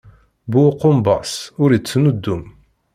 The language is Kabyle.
Bu ukumbaṣ ur ittnuddum.